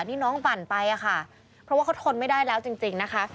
ที่น้องปั่นไปอะค่ะเพราะว่าเขาทนไม่ได้แล้วจริงนะคะ